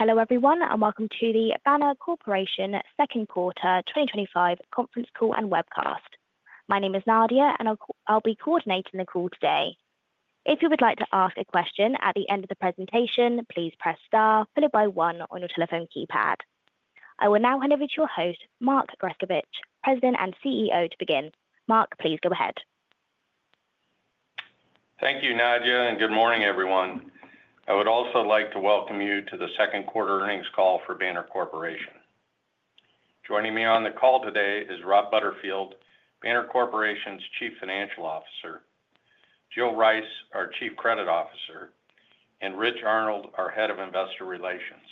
Hello everyone and welcome to the Banner Corporation Second Quarter 2025 Conference Call and webcast. My name is Nadia and I'll be coordinating the call today. If you would like to ask a question at the end of the presentation, please press star followed by one on your telephone keypad. I will now hand over to your host, Mark Grescovich, President and CEO, to begin. Mark, please go. Thank you, Nadia, and good morning everyone. I would also like to welcome you to the second quarter earnings call for Banner Corporation. Joining me on the call today is Rob Butterfield, Banner Corporation's Chief Financial Officer, Jill Rice, our Chief Credit Officer, and Rich Arnold, our Head of Investor Relations.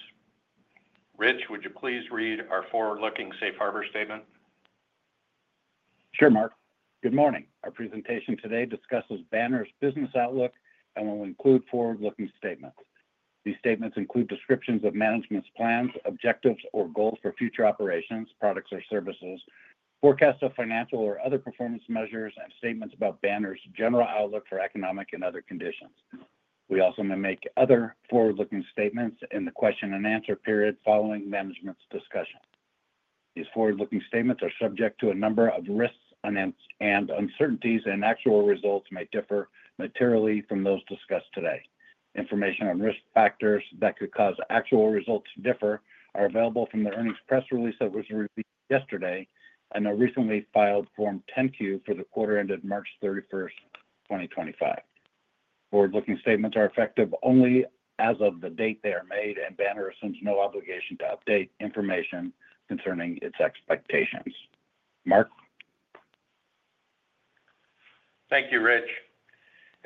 Rich, would you please read our forward-looking Safe Harbor statement? Sure, Mark. Good morning. Our presentation today discusses Banner's business outlook and will include forward-looking statements. These statements include descriptions of management's plans, objectives or goals for future operations, products or services, forecast of financial or other performance measures, and statements about Banner's general outlook for economic and other conditions. We also may make other forward-looking statements in the question and answer period following Management's discussion. These forward-looking statements are subject to a number of risks and uncertainties, and actual results may differ materially from those discussed today. Information on risk factors that could cause actual results to differ are available from the earnings press release that was released yesterday and a recently filed Form 10-Q for the quarter ended March 31, 2025. Forward-looking statements are effective only as of the date they are made, and Banner assumes no obligation to update information concerning its expectations. Mark. Thank you, Rich.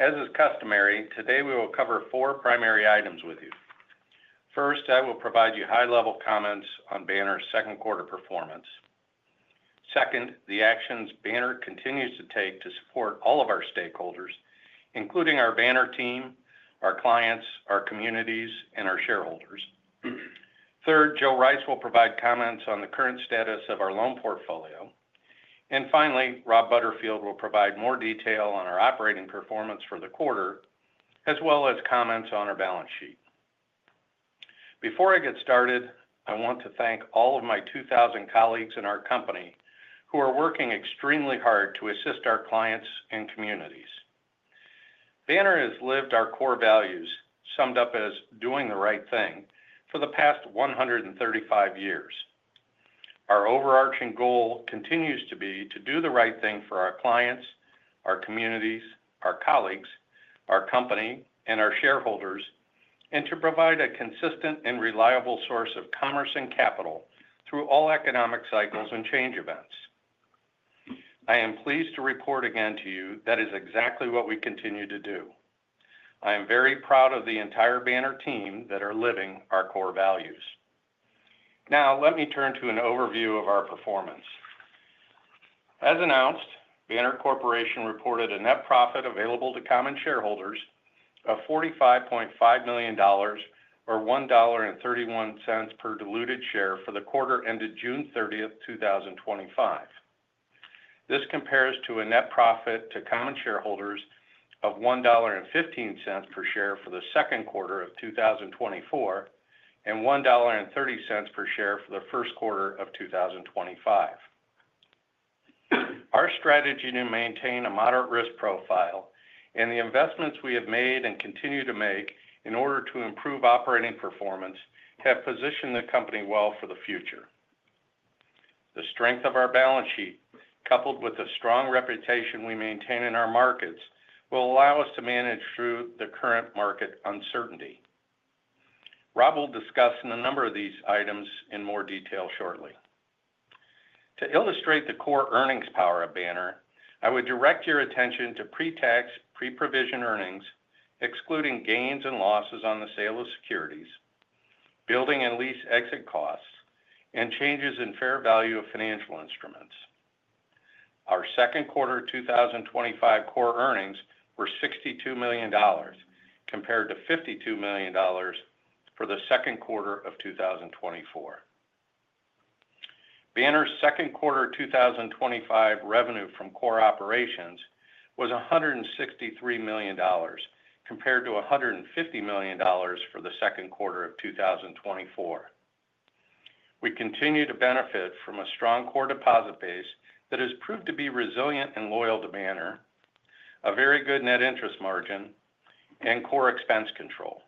As is customary today, we will cover four primary items with you. First, I will provide you high-level comments on Banner's second quarter performance. Second, the actions Banner continues to take to support all of our stakeholders, including our Banner team, our clients, our communities, and our shareholders. Third, Jill Rice will provide comments on the current status of our loan portfolio. Finally, Rob Butterfield will provide more detail on our operating performance for the quarter as well as comments on our balance sheet. Before I get started, I want to thank all of my 2,000 colleagues in our company who are working extremely hard to assist our clients and communities. Banner has lived our core values summed up as doing the right thing for the past 135 years. Our overarching goal continues to be to do the right thing for our clients, our communities, our colleagues, our company, and our shareholders, and to provide a consistent and reliable source of commerce and capital through all economic cycles and change events. I am pleased to report again to you that is exactly what we continue to do. I am very proud of the entire Banner team that are living our core values. Now let me turn to an overview of our performance. As announced, Banner Corporation reported a net profit available to common shareholders of $45.5 million, or $1.31 per diluted share for the quarter ended June 30, 2025. This compares to a net profit to common shareholders of $1.15 per share for the second quarter of 2024 and $1.30 per share for the first quarter of 2025. Our strategy to maintain a moderate risk profile and the investments we have made and continue to make in order to improve operating performance have positioned the company well for the future. The strength of our balance sheet, coupled with the strong reputation we maintain in our markets, will allow us to manage through the current market uncertainty. Rob will discuss a number of these items in more detail shortly. To illustrate the core earnings power of Banner, I would direct your attention to pre-tax, pre-provision earnings excluding gains and losses on the sale of securities, building and lease exit costs, and changes in fair value of financial instruments. Our second quarter 2025 core earnings were $62 million compared to $52 million for the second quarter of 2024. Banner's second quarter 2025 revenue from core operations was $163 million compared to $150 million for the second quarter of 2024. We continue to benefit from a strong core deposit base that has proved to be resilient and loyal to Banner, a very good net interest margin and core expense control.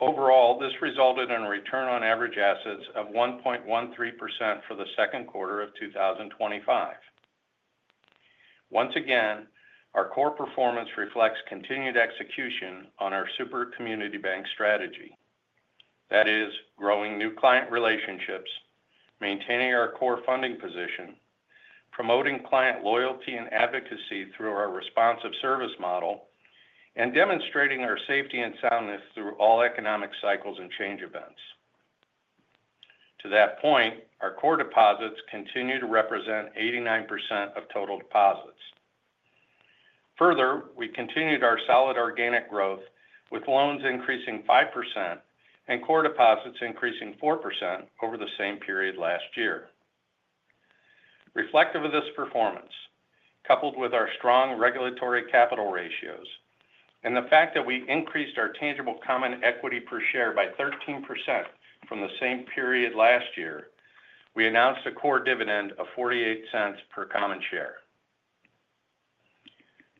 Overall, this resulted in a return on average assets of 1.13% for the second quarter of 2025. Once again, our core performance reflects continued execution on our super community bank strategy that is growing new client relationships, maintaining our core funding position, promoting client loyalty and advocacy through our responsive service model, and demonstrating our safety and soundness through all economic cycles and change events. To that point, our core deposits continue to represent 89% of total deposits. Further, we continued our solid organic growth with loans increasing 5% and core deposits increasing 4% over the same period last year. Reflective of this performance, coupled with our strong regulatory capital ratios and the fact that we increased our tangible common equity per share by 13% from the same period last year, we announced a core dividend of $0.48 per common share.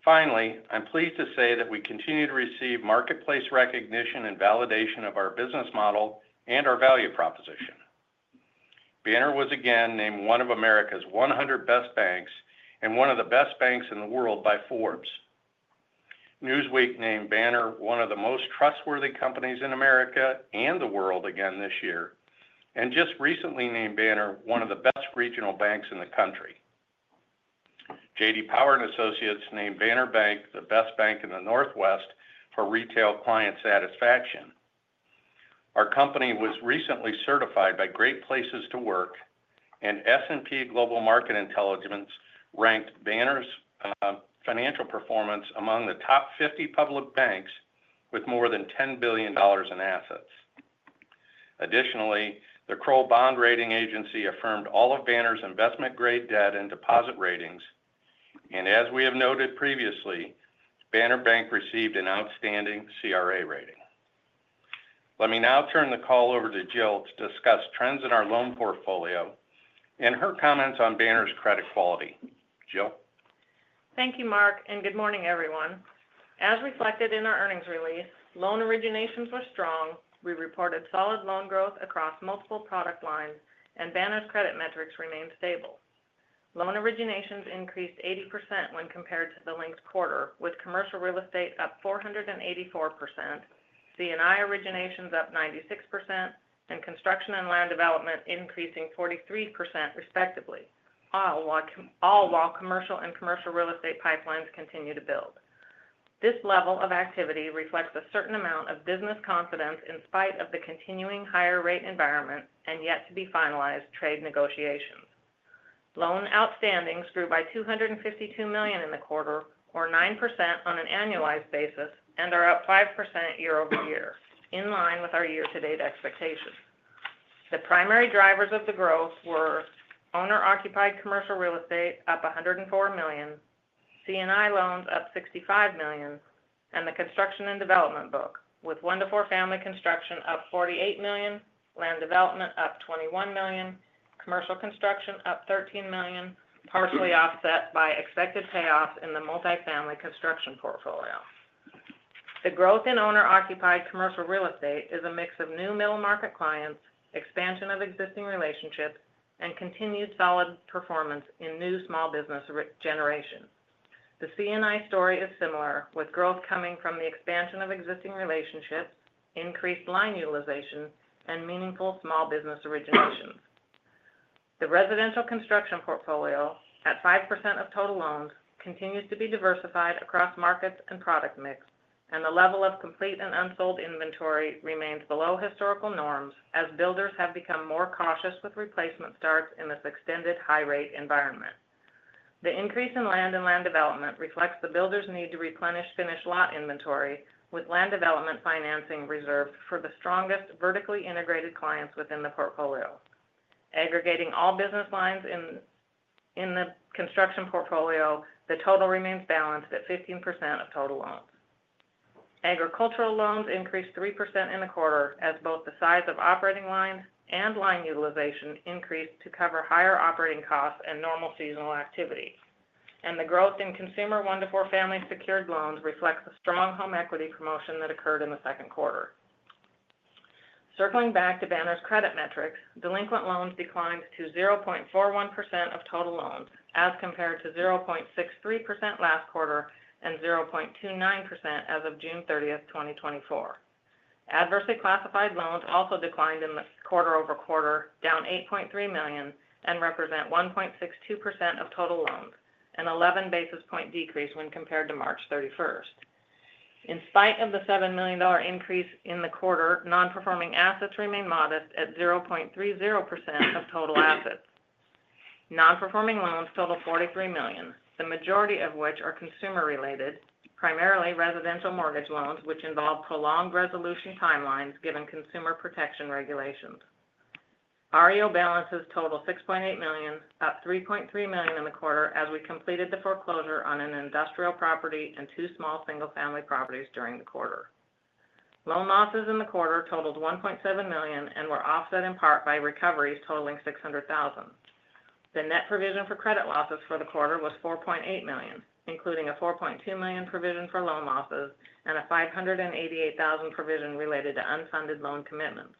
Finally, I'm pleased to say that w'e continue to receive marketplace recognition and validation of our business model and our value proposition. Banner was again named one of America's 100 Best Banks and one of the best banks in the world by Forbes. Newsweek named Banner one of the most trustworthy companies in America and the world again this year and just recently named Banner one of the best regional banks in the country. J.D. J.D. Power named Banner Bank the best bank in the Pacific Northwest for retail client satisfaction. Our company was recently certified by Great Places to Work, and S&P Global Market Intelligence ranked Banner's financial performance among the top 50 public banks with more than $10 billion in assets. Additionally, the Kroll Bond Rating Agency affirmed all of Banner's investment-grade debt and deposit ratings, and as we have noted previously, Banner Bank received an outstanding CRA rating. Let me now turn the call over to Jill to discuss trends in our loan portfolio and her comments on Banner's credit quality. Jill Thank you, Mark, and good morning, everyone. As reflected in our earnings release, loan originations were strong. We reported solid loan growth across multiple product lines, and Banner's credit metrics remained stable. Loan originations increased 80% when compared to the linked quarter, with commercial real estate up 484%, C&I originations up 96%, and construction and land development increasing 43%, respectively, all while commercial and commercial real estate pipelines continue to build. This level of activity reflects a certain amount of business confidence in spite of the continuing higher rate environment and yet to be finalized trade negotiations. Loan outstandings grew by $252 million in the quarter, or 9% on an annualized basis, and are up 5% year over year in line with our year-to-date expectations. The primary drivers of the growth were owner-occupied commercial real estate up $104 million, C&I loans up $65 million, and the construction and development book with one to four family construction up $48 million, land development up $21 million, commercial construction up $13 million, partially offset by expected payoffs in the multifamily construction portfolio. The growth in owner-occupied commercial real estate is a mix of new middle market clients, expansion of existing relationships, and continued solid performance in new small business generations. The C&I story is similar, with growth coming from the expansion of existing relationships, increased line utilization, and meaningful small business originations. The residential construction portfolio at 5% of total loans continues to be diversified across markets and product mix, and the level of complete and unsold inventory remains below historical norms as builders have become more cautious with replacement starts in this extended high rate environment. The increase in land and land development reflects the builders' need to replenish finished lot inventory, with land development financing reserved for the strongest vertically integrated clients within the portfolio. Aggregating all business lines in the construction portfolio, the total remains balanced at 15% of total loans. Agricultural loans increased 3% in the quarter as both the size of operating line and line utilization increased to cover higher operating costs and normal seasonal activity. The growth in consumer one-to-four family secured loans reflects the strong home equity promotion that occurred in the second quarter. Circling back to Banner's credit metrics, delinquent loans declined to 0.41% of total loans as compared to 0.63% last quarter and 0.29% as of June 30, 2024. Adversely classified loans also declined in the quarter over quarter, down $8.3 million and represent 1.62% of total loans, an 11 basis point decrease when compared to March 31. In spite of the $7 million increase in the quarter, nonperforming assets remain modest at 0.30% of total assets. Nonperforming loans total $43 million, the majority of which are consumer related, primarily residential mortgage loans which involve prolonged resolution timelines given consumer protection regulations. REO balances total $6.8 million, up $3.3 million in the quarter as we completed the foreclosure on an industrial property and two small single family properties during the quarter. Loan losses in the quarter totaled $1.7 million and were offset in part by recoveries totaling $600,000. The net provision for credit losses for the quarter was $4.8 million, including a $4.2 million provision for loan losses and a $588,000 provision related to unfunded loan commitments.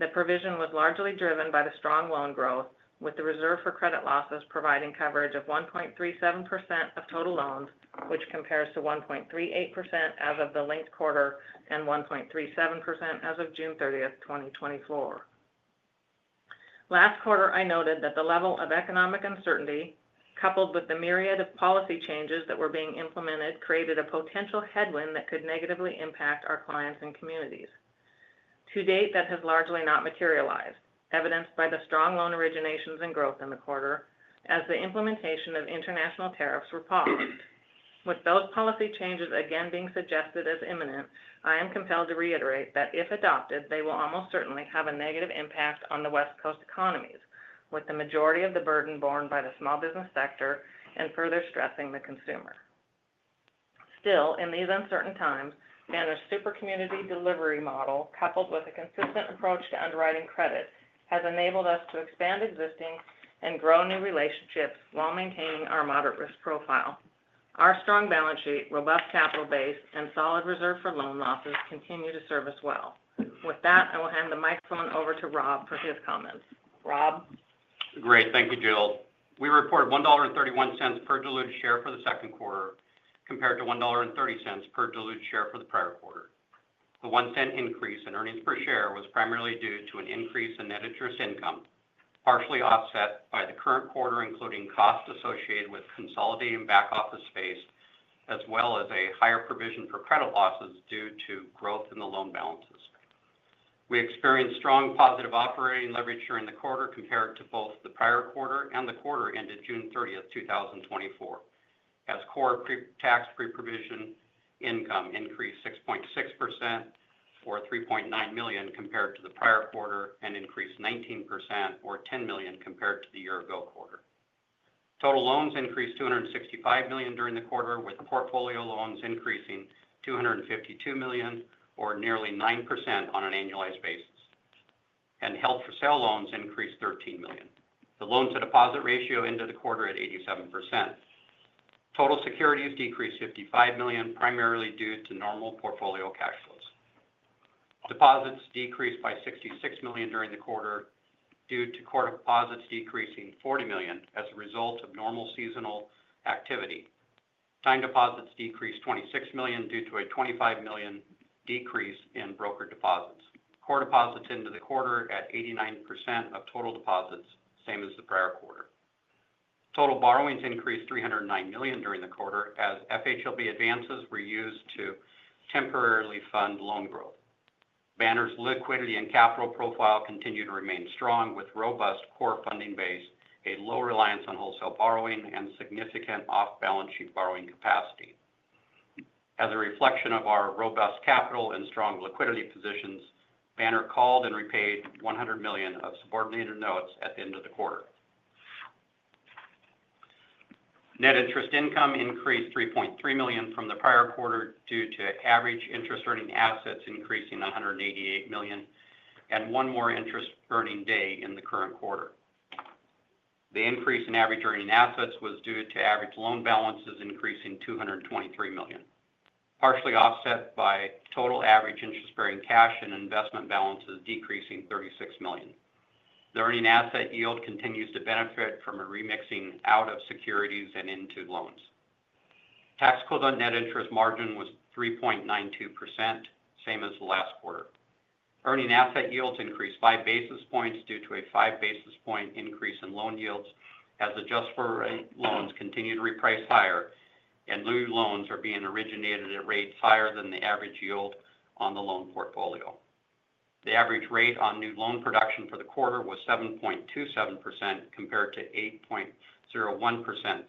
The provision was largely driven by the strong loan growth, with the reserve for credit losses providing coverage of 1.37% of total loans, which compares to 1.38% as of the linked quarter and 1.37% as of June 30, 2024. Last quarter I noted that the level of economic uncertainty coupled with the myriad of policy changes that were being implemented created a potential headwind that could negatively impact our clients and communities. To date that has largely not materialized, evidenced by the strong loan originations and growth in the quarter as the implementation of international tariffs were paused. With those policy changes again being suggested as imminent, I am compelled to reiterate that if adopted, they will almost certainly have a negative impact on the West Coast economies with the majority of the burden borne by the small business sector and further stressing the consumer. Still, in these uncertain times, Banner's super community delivery model coupled with a consistent approach to underwriting credit has enabled us to expand existing and grow new relationships while maintaining our moderate risk profile. Our strong balance sheet, robust capital base, and solid reserve for loan losses continue to serve us well. With that, I will hand the microphone over to Rob for his comments. Great. Thank you Jill. We reported $1.31 per diluted share for the second quarter compared to $1.30 per diluted share for the prior quarter. The $0.01 increase in earnings per share was primarily due to an increase in net interest income, partially offset by the current quarter including costs associated with consolidating back office space as well as a higher provision for credit losses due to growth in the loan balances. We experienced strong positive operating leverage during the quarter compared to both the prior quarter and the quarter ended June 30, 2024, as core tax pre-provision income increased 6.6% or $3.9 million compared to the prior quarter and increased 19% or $10 million compared to the year ago. Quarter total loans increased $265 million during the quarter with portfolio loans increasing $252 million or nearly 9% on an annualized basis, and held for sale loans increased $13 million. The loan to deposit ratio at the end of the quarter was 87%. Total securities decreased $55 million, primarily due to normal portfolio cash flows. Deposits decreased by $66 million during the quarter due to core deposits decreasing $40 million as a result of normal seasonal activity. Time deposits decreased $26 million due to a $25 million decrease in broker deposits. Core deposits at the end of the quarter were 89% of total deposits, same as the prior quarter. Total borrowings increased $309 million during the quarter as FHLB advances were used to temporarily fund loan growth. Banner's liquidity and capital profile continue to remain strong with a robust core funding base, a low reliance on wholesale borrowing, and significant off-balance sheet borrowing capacity as a reflection of our robust capital and strong liquidity positions. Banner called and repaid $100 million of subordinated notes at the end of the quarter. Net interest income increased $3.3 million from the prior quarter due to average interest earning assets increasing $188 million. One more interest earning day in the current quarter. The increase in average earning assets was due to average loan balances increasing $223 million, partially offset by total average interest bearing cash and investment balances decreasing $36 million. The earning asset yield continues to benefit from a remixing out of securities and into loans. Tax code on net interest margin was 3.92%, same as the last quarter. Earning asset yields increased 5 basis points due to a 5 basis point increase in loan yields as adjustable rate loans continue to reprice higher and new loans are being originated at rates higher than the average yield on the loan portfolio. The average rate on new loan production for the quarter was 7.27% compared to 8.01%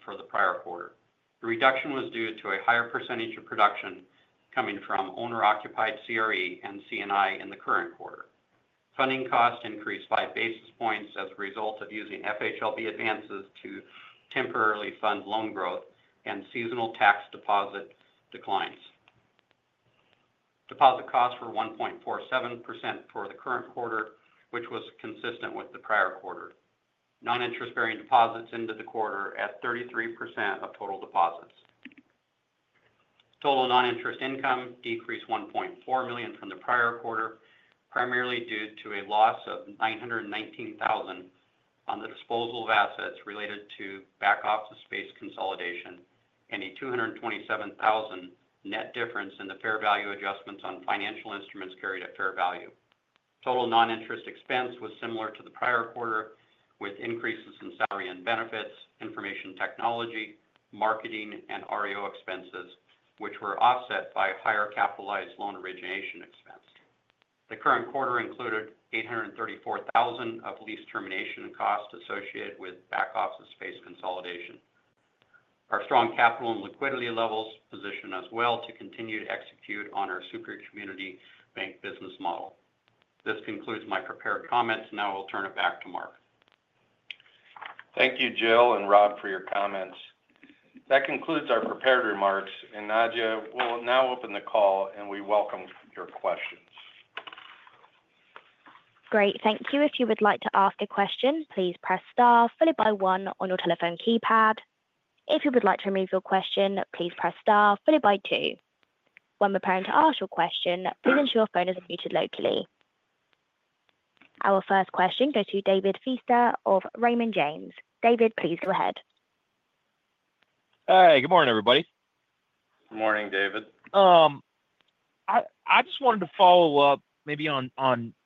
for the prior quarter. The reduction was due to a higher percentage of production coming from owner occupied CRE and C&I. In the current quarter, funding cost increased 5 basis points as a result of using FHLB advances to temporarily fund loan growth and seasonal tax deposit declines. Deposit costs were 1.47% for the current quarter, which was consistent with the prior quarter. Noninterest bearing deposits ended the quarter at 33% of total deposits. Total noninterest income decreased $1.4 million from the prior quarter primarily due to a loss of $919,000 on the disposal of assets related to back office space consolidation and a $227,000 net difference in the fair value adjustments on financial instruments carried at fair value. Total noninterest expense was similar to the prior quarter with increases in salary and benefits, information technology, marketing, and REO expenses, which were offset by higher capitalized loan origination expense. The current quarter included $834,000 of lease termination costs associated with back office space consolidation. Our strong capital and liquidity levels position us well to continue to execute on our super community bank business model. This concludes my prepared comments. Now I'll turn it back to Mark. Thank you, Jill and Rob, for your comments. That concludes our prepared remarks, and Nadja will now open the call. We welcome your questions. Great. Thank you. If you would like to ask a question, please press Star followed by one on your telephone keypad. If you would like to remove your question, please press Star followed by two. When preparing to ask your question, please ensure your phone is muted locally. Our first question goes to David Feaster of Raymond James. David, please go ahead. Hey, good morning everybody. Good morning, David. I just wanted to follow up, maybe on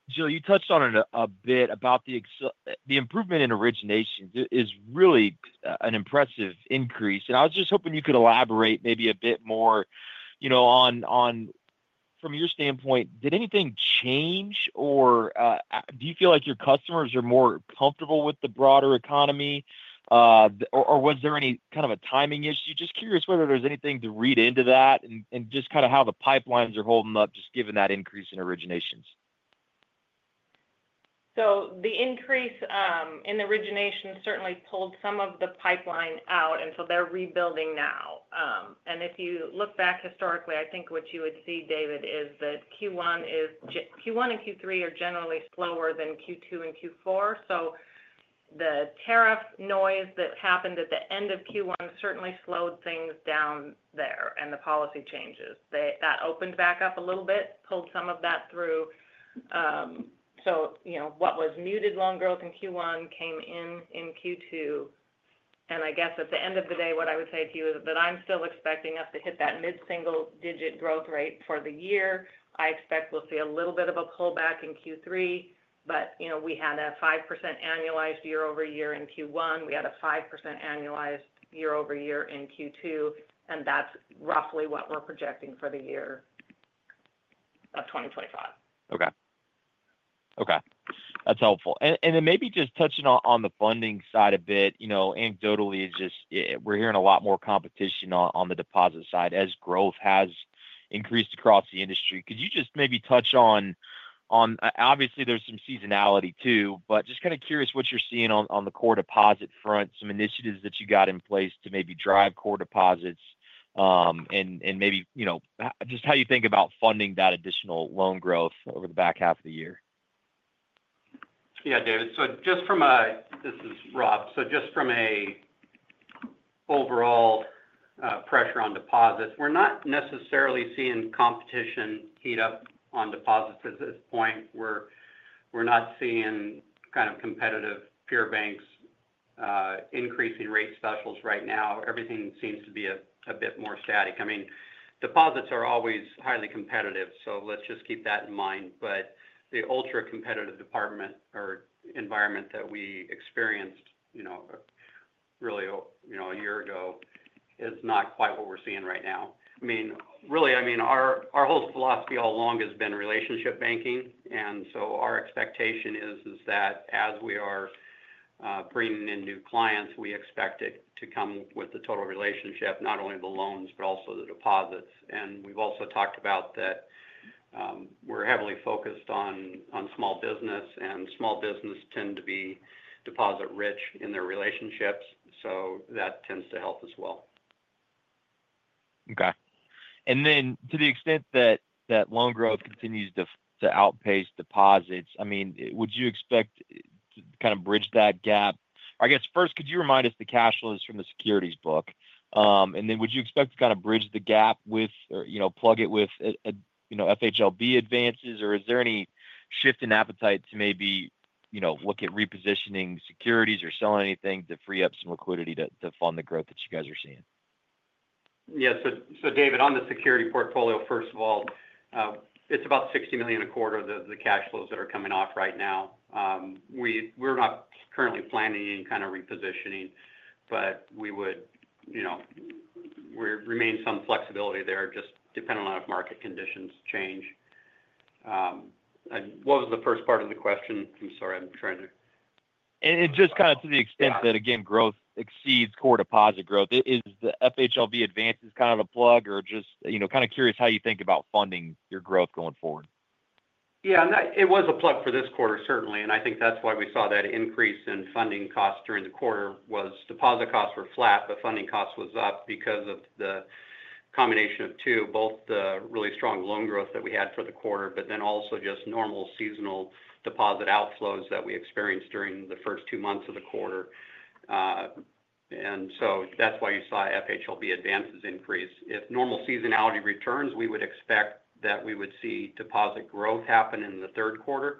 Jill, you touched on it a bit about the improvement in originations. It is really an impressive increase, and I was just hoping you could elaborate maybe a bit more. From your standpoint, did anything change, or do you feel like your customers are more comfortable with the broader economy, or was there any kind of a timing issue? I'm just curious whether there's anything to read into that and just kind of how the pipelines are holding up, just given that increase in originations. The increase in originations certainly pulled some of the pipeline out, and they're rebuilding now. If you look back historically, I think what you would see, David, is that Q1 and Q3 are generally slower than Q2 and Q4. The tariff noise that happened at the end of Q1 certainly slowed things down there, and the policy changes that opened back up a little bit pulled some of that through. What was muted loan growth in Q1 came in, in Q2. At the end of the day, what I would say to you is that I'm still expecting us to hit that mid single digit growth rate for the year. I expect we'll see a little bit of a pullback in Q3. We had a 5% annualized year over year in Q1, we had a 5% annualized year-over year in Q2, and that's roughly what we're projecting for the year of 2025. Okay, that's helpful. Maybe just touching on the funding side a bit, you know, anecdotally we're hearing a lot more competition on the deposit side as growth has increased across the industry. Could you just maybe touch on, obviously there's some seasonality too, but just kind of curious what you're seeing on the core deposit front, some initiatives that you got in place to maybe drive core deposits, and maybe just how you think about funding that additional loan growth over the back half of the year. Yeah, David. Just from a. This is Rob Just from an overall pressure on deposits, we're not necessarily seeing competition heat up on deposits at this point. We're not seeing kind of competitive peer banks increasing rate specials right now. Everything seems to be a bit more static. Deposits are always highly competitive, so let's just keep that in mind. The ultra competitive environment that we experienced a year ago is not quite what we're seeing right now. Our whole philosophy all along has been relationship banking, and our expectation is that as we are bringing in new clients, we expect it to come with the total relationship, not only the loans, but also the deposits. We've also talked about that we're heavily focused on small business, and small business tend to be deposit rich in their relationships, so that tends to help as well. Okay. To the extent that loan growth continues to outpace deposits, would you expect to bridge that gap? Could you remind us the cash flows from the securities book? Would you expect to bridge the gap with, or plug it with, FHLB advances, or is there any shift in appetite to maybe look at repositioning securities or selling anything to free up some liquidity to fund the growth that you guys are seeing? Yes. David, on the security portfolio, first of all, it's about $60 million a quarter. The cash flows that are coming off right now, we're not currently planning any kind of repositioning, but we remain some flexibility there, just depending on if market conditions change. What was the first part of the question? I'm sorry, I'm trying to. To the extent. That again, growth exceeds core deposit growth. Is the FHLB advances kind of a plug, or just, you know, kind of curious how you think about funding your growth going forward? Yeah, it was a plug for this quarter, certainly. I think that's why we saw that increase in funding costs during the quarter. Deposit costs were flat, but funding costs were up because of the combination of two things: both the really strong loan growth that we had for the quarter, and also just normal seasonal deposit outflows that we experienced during the first two months of the quarter. That's why you saw FHLB advances increase. If normal seasonality returns, we would expect that we would see deposit growth happen in the third quarter.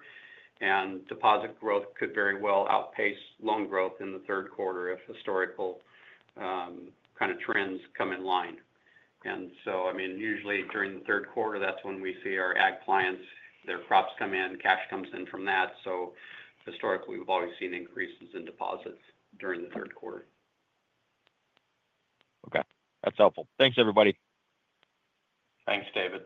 Deposit growth could very well outpace loan growth in the third quarter if historical trends come in line. Usually during the third quarter, that's when we see our ag clients, their crops come in, cash comes in from that. Historically, we've always seen increases in deposits during the third quarter. Okay, that's helpful. Thanks, everybody. Thanks, David.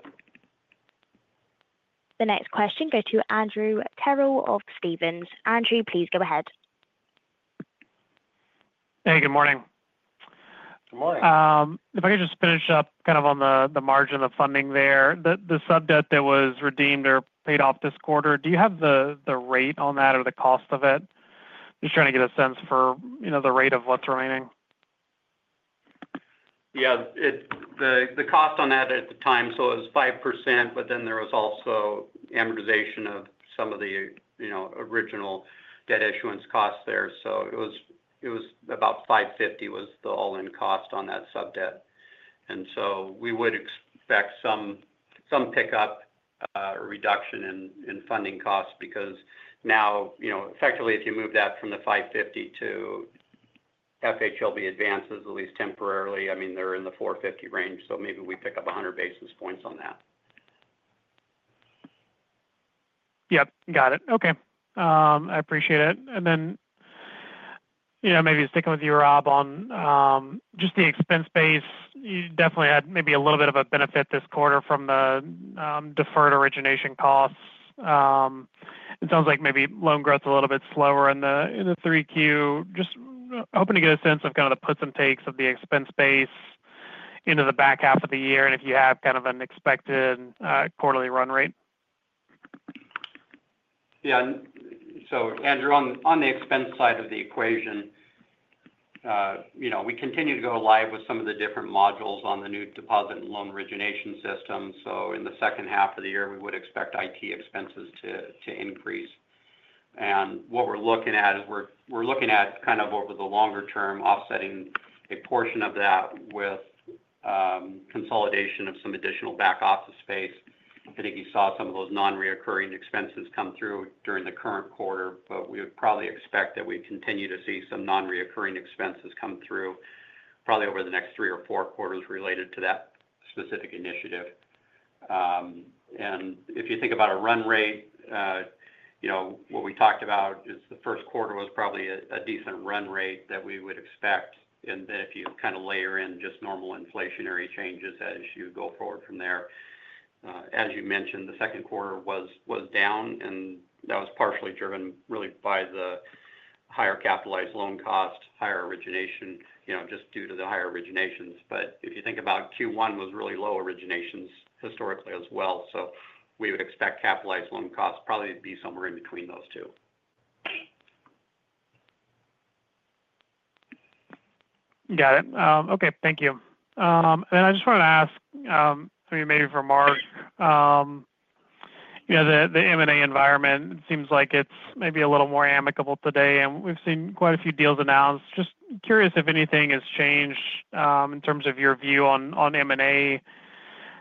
The next question, go to Andrew Terrell of Stephens. Andrew, please go ahead. Hey, good morning. Good morning. If I could just finish up kind of on the margin of funding there, the sub debt that was redeemed or paid off this quarter, do you have the rate on that or the cost of it? Just trying to get a sense for the rate of what's remaining? Yeah, the cost on that at the time, it was 5%. There was also amortization of some of the original debt issuance costs there. It was about $5.50 million was the all-in cost on that sub debt. We would expect some pickup reduction in funding costs, because now, effectively, if you move that from the $5.50 million to FHLB advances, at least temporarily, they're in the 4.50% range. Maybe we pick up 100 basis points on that. Yep, got it. Okay. I appreciate it. Maybe sticking with you, Rob, on just the expense base, you definitely had maybe a little bit of a benefit this quarter from the deferred origination costs. It sounds like maybe loan growth is a little bit slower in the 3Q. Just hoping to get a sense of kind of the puts and takes of the expense base into the back half of the year and if you have kind of an expected quarterly run rate. Yeah. So Andrew, on the expense side of the equation, we continue to go live with some of the different modules on the new deposit loan origination system. In the second half of the year, we would expect IT expenses to increase. What we're looking at is over the longer term offsetting a portion of that with consolidation of some additional back office space. I think you saw some of those nonrecurring expenses come through during the current quarter, but we would probably expect that we continue to see some nonrecurring expenses come through probably over the next three or four quarters related to that specific initiative. If you think about a run rate, what we talked about is the first quarter was probably a decent run rate that we would expect. If you layer in just normal inflationary changes as you go forward from there, as you mentioned, the second quarter was down and that was partially driven really by the higher capitalized loan cost, higher origination, just due to the higher originations. If you think about Q1, it was really low originations historically as well. We would expect capitalized loan costs to probably be somewhere in between those two. Got it. Okay, thank you. I just wanted to ask maybe for Mark, the M&A environment seems like it's maybe a little more amicable today and we've seen quite a few deals announced. Just curious if anything has changed in terms of your view on M&A,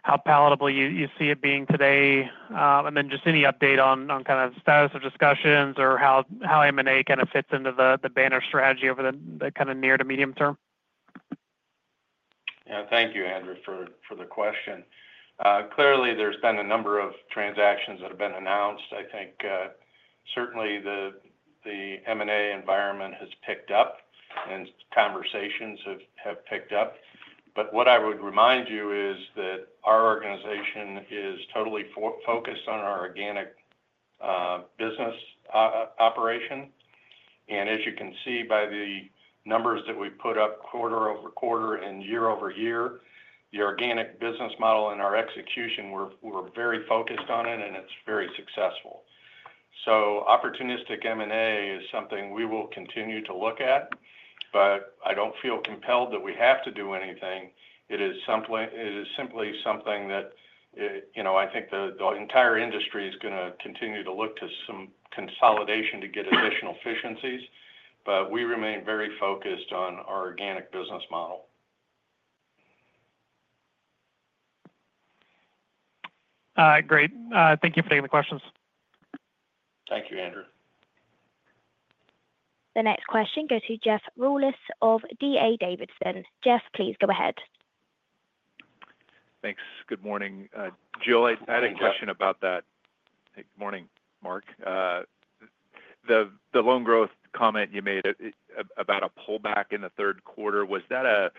how palatable you see it being today. Also, any update on status of discussions or how M&A fits into the Banner strategy over the near to medium term? Thank you, Andrew, for the question. Clearly, there's been a number of transactions that have been announced. I think certainly the M&A environment has picked up and conversations have picked up. What I would remind you is that our organization is totally focused on our organic business operation. As you can see by the numbers that we put up, quarter over quarter and year over year, the organic business model and our execution, we're very focused on it and it's very successful. Opportunistic M&A is something we will continue to look at. I don't feel compelled that we have to do anything. It is simply something that, you know, I think the entire industry is going to continue to look to some consolidation to get additional efficiencies. We remain very focused on our organic business model. Great. Thank you for taking the questions. Thank you, Andrew. The next question goes to Jeff Rulis of D.A. Davidson. Jeff, please go ahead. Thanks. Good morning, Jill. I had a question about that. Morning, Mark, the loan growth comment you made about a pullback in the third quarter, was that a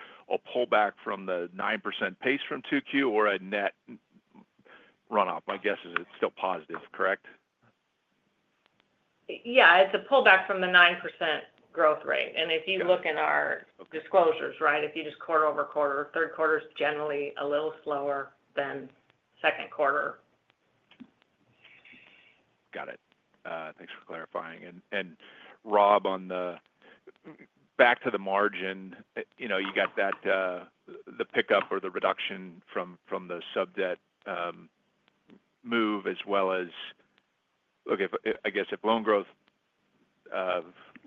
pullback from the 9% pace from 2Q or a net runoff? My guess is it's still positive. Correct? Yeah, it's a pullback from the 9% growth rate. If you look in our disclosures, right, if you just quarter over quarter, third quarter is generally a little slower than second quarter. Got it. Thanks for clarifying. Rob, on the back to the margin, you know, you got that the pickup or the reduction from the sub debt move as well as I guess if loan growth.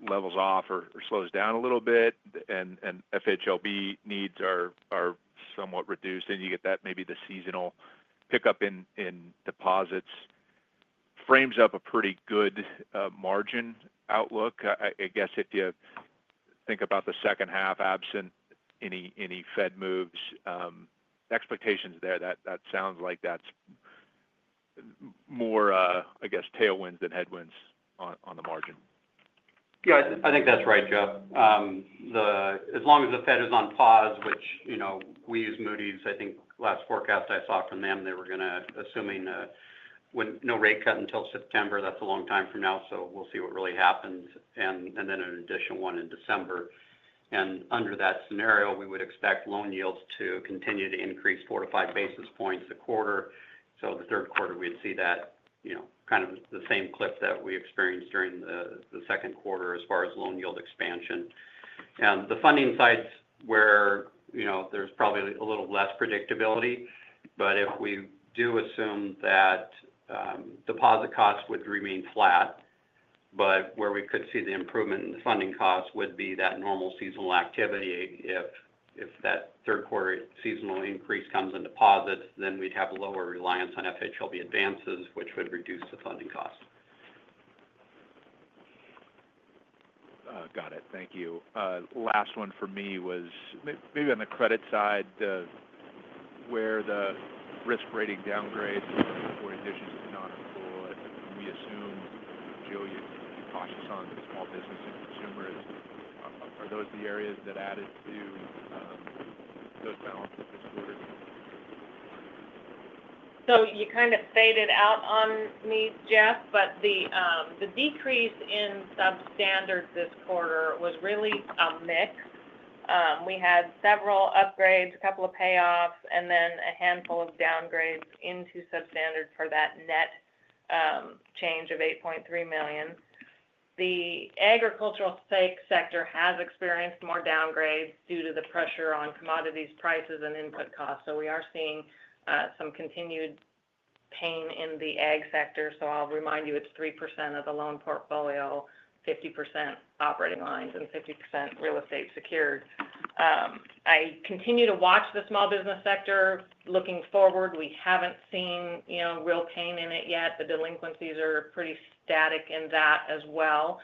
Levels off or slows. Down a little bit and FHLB needs are somewhat reduced, and you get that maybe the seasonal pickup in deposits frames up a pretty good margin outlook. I guess if you think about the second half, absent any Fed moves expectations there, that sounds like that's. More I. Guess, tailwinds than headwinds on the margin. Yeah, I think that's right, Jeff. As long as the Fed is on pause, which, you know, we use Moody's. I think last forecast I saw from them, they were going to assuming no rate cut until September. That's a long time from now. We'll see what really happens and then an additional one in December. Under that scenario, we would expect loan yields to continue to increase 4 to 5 basis points a quarter. The third quarter we'd see that, you know, kind of the same clip that we experienced during the second quarter as far as loan yield expansion. The funding side is where, you know, there's probably a little less predictability. If we do assume that deposit costs would remain flat, where we could see the improvement in the funding costs would be that normal seasonal activity. If that third quarter seasonal increase comes in deposits, then we'd have lower reliance on FHLB advances, which would reduce the funding cost. Got it. Thank you. Last one for me was maybe on. The credit side where the risk rating downgrade. We assume, Jill, you're cautious on small business. Are those the areas that added to those balances this quarter? You kind of faded out on me, Jeff. The decrease in substandard this quarter was really a mix. We had several upgrades, a couple of payoffs, and then a handful of downgrades into substandard for that net change of $8.3 million. The agricultural sector has experienced more downgrades due to the pressure on commodities prices and input costs. We are seeing some continued pain in the ag sector. I'll remind you it's 3% of the loan portfolio, 50% operating lines and 50% real estate secured. I continue to watch the small business sector looking forward. We haven't seen real pain in it yet. The delinquencies are pretty static in that as well.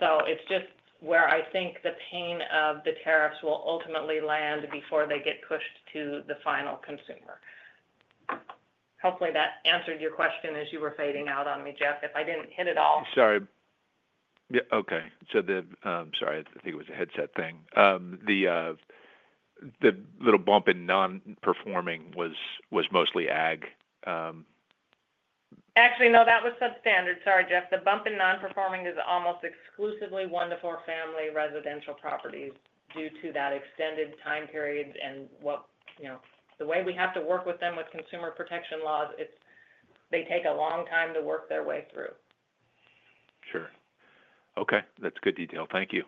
It's just where I think the pain of the tariffs will ultimately land before they get pushed to the final consumer. Hopefully that answered your question as you were fading out on me, Jeff. If I didn't hit it all. Sorry. Okay, sorry, I think it was a headset thing. The little bump in nonperforming was mostly ag. No, that was substandard. Sorry, Jeff. The bump in nonperforming is almost exclusively one to four family residential properties due to that extended time period and, you know, the way we have to work with them with consumer protection laws, they take a long time to work their way through. Sure. Okay, that's good detail. Thank you.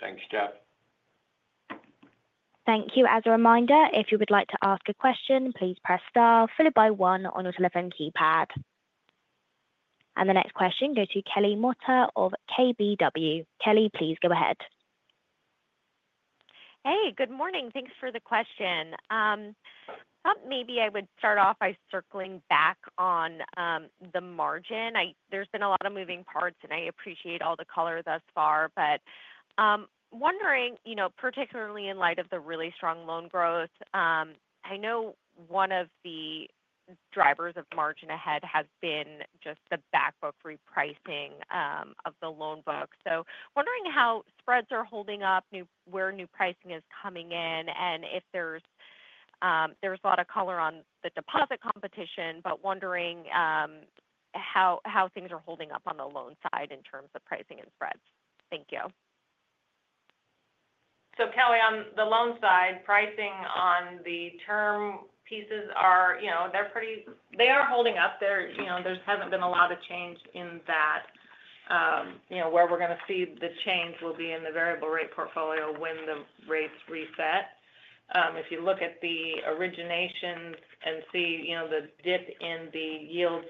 Thanks Jeff. Thank you. As a reminder, if you would like to ask a question, please press star followed by one on your telephone keypad. The next question goes to Kelly Motta of KBW. Kelly, please go ahead. Hey, good morning. Thanks for the question. Thought maybe I would start off by circling back on the margin. There's been a lot of moving parts, and I appreciate all the color thus far. Wondering particularly in light of the really strong loan growth, I know one of the drivers of margin ahead has been just the back book repricing of the loan book. Wondering how spreads are holding up, where new pricing is coming in, and if there's a lot of color on the deposit competition. Wondering how things are holding up on the loan side in terms of pricing and spreads. Thank you. Kelly, on the loan side, pricing on the term pieces are pretty, they are holding up there. There hasn't been a lot of change in that. Where we're going to see the change will be in the variable rate portfolio when the rates reset. If you look at the originations and see the dip in the yields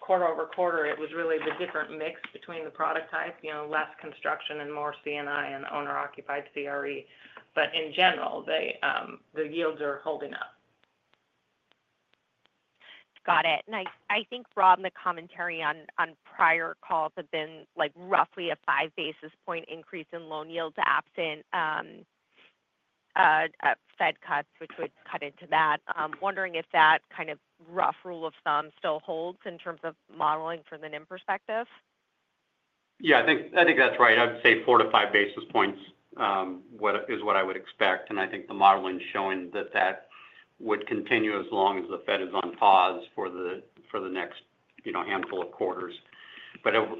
quarter over quarter, it was really the different mix between the product type, less construction and more C&I and owner occupied commercial real estate. In general, the yields are holding up. Got it. I think, Rob, the commentary on prior calls has been like roughly a 5 basis point increase in loan yield to absent Fed cuts, which would cut into that. Wondering if that kind of rough rule of thumb still holds in terms of modeling from the NIM perspective. Yeah, I think that's right. I would say four to five basis points is what I would expect, and I think the modeling is showing that would continue as long as the Fed is on pause for the next handful of quarters.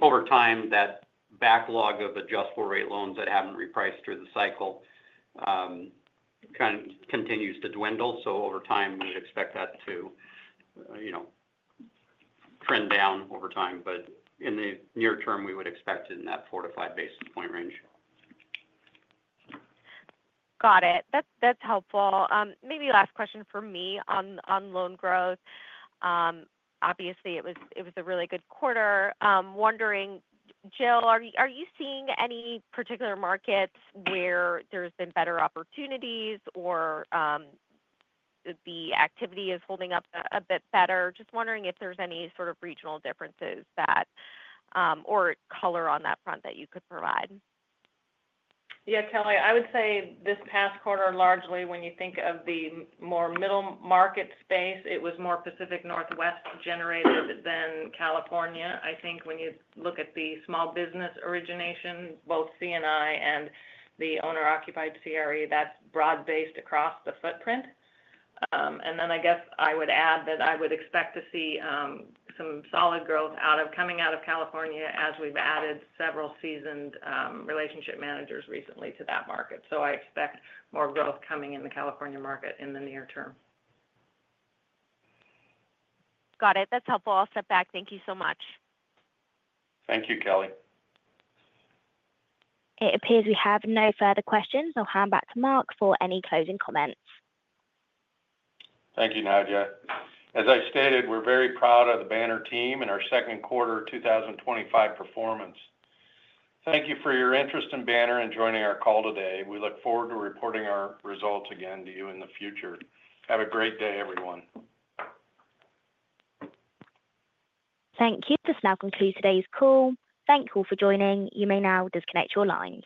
Over time, that backlog of adjustable rate loans that haven't repriced through the cycle kind of continues to dwindle. Over time, we expect that to trend down, but in the near term we would expect it in that four to five basis point range. Got it. That's helpful, maybe. Last question for me on loan growth. Obviously it was a really good quarter. Wondering, Jill, are you seeing any particular markets where there's been better opportunities or the activity is holding up a bit better? Just wondering if there's any sort of regional differences or color on that front that you could provide. Yeah, Kelly, I would say this past quarter, largely when you think of the more middle market space, it was more Pacific Northwest generated than California. I think when you look at the small business origination, both C&I and the owner occupied CRE, that's broad based across the footprint. I would add that I would expect to see some solid growth coming out of California as we've added several seasoned relationship managers recently to that market. I expect more growth coming in the California market in the near term. Got it. That's helpful. I'll step back. Thank you so much. Thank you, Kelly. It appears we have no further questions. I'll hand back to Mark for any closing comments. Thank you, Nadia. As I stated, we're very proud of the Banner team and our second quarter 2025 performance. Thank you for your interest in Banner and joining our call today. We look forward to reporting our results again to you in the future. Have a great day, everyone. Thank you. This now concludes today's call. Thank you all for joining. You may now disconnect your lines.